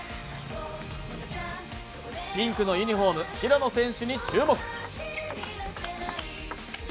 ピンクのユニフォーム、平野選手に注目。